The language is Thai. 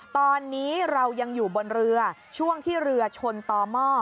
ตอนนี้เรายังอยู่บนเรือช่วงที่เรือชนต่อหม้อ